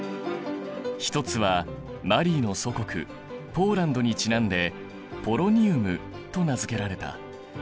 １つはマリーの祖国ポーランドにちなんでポロニウムと名付けられた。